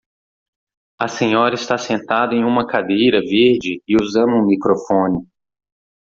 A senhora está sentada em uma cadeira verde e usando um microfone.